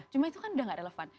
cuma itu kan udah gak relevan